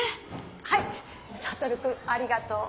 はいサトルくんありがとう。